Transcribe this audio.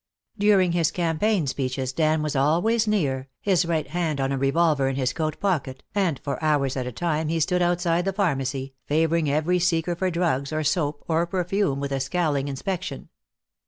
During his campaign speeches Dan was always near, his right hand on a revolver in his coat pocket, and for hours at a time he stood outside the pharmacy, favoring every seeker for drugs or soap or perfume with a scowling inspection.